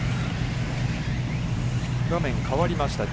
画面変わりました。